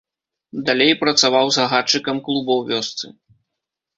Далей працаваў загадчыкам клуба ў вёсцы.